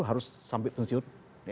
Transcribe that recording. harus sampai pensiun